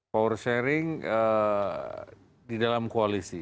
power sharing di dalam koalisi